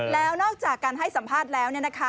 แล้วนอกจากการให้สัมภาษณ์แล้ว